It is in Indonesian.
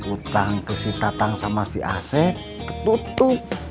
utang ke si tatang sama si ac ketutup